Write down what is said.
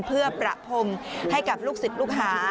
เพื่อประพรมให้กับลูกศิษย์ลูกหา